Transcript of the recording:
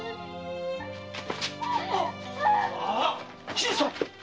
新さん！？